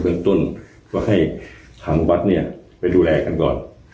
เพื่อนต้นก็ให้คังปรบัติกินไปดูแลกันก่อน